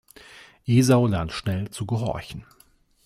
Esau lernt schnell zu gehorchen.